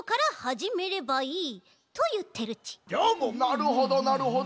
なるほどなるほど。